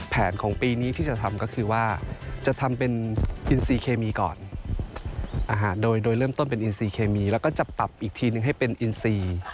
แผนของปีนี้ที่จะทำก็คือว่าจะทำเป็นอินซีเคมีก่อนโดยเริ่มต้นเป็นอินซีเคมีแล้วก็จะปรับอีกทีนึงให้เป็นอินซี